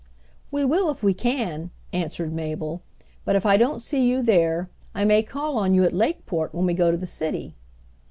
"We will if we can," answered Mabel, "but if I don't see you there, I may call on you at Lakeport, when we go to the city."